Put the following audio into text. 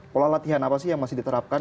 pola latihan apa sih yang masih diterapkan